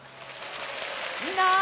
みんな。